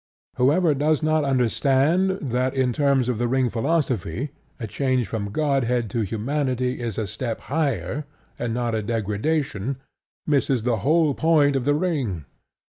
Whoever does not understand that, in terms of The Ring philosophy, a change from godhead to humanity is a step higher and not a degradation, misses the whole point of The Ring.